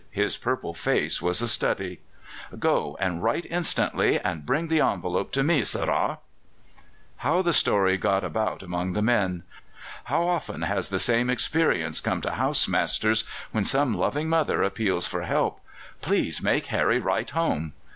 His purple face was a study. "Go and write instantly, and bring the envelope to me, sirrah." How that story got about among the men! How often has the same experience come to house masters, when some loving mother appeals for help: "Please make Harry write home."